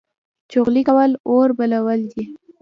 چغلي کول اور بلول دي